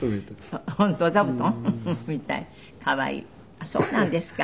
あっそうなんですか。